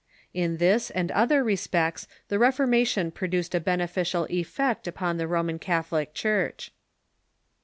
In this and other respects the Reformation produced a beneficial effect upon the Roman Catholic Church.